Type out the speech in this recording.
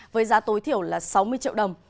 với giá tối thiểu là sáu mươi triệu đồng